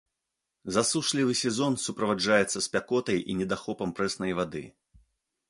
Засушлівы сезон суправаджаецца спякотай і недахопам прэснай вады.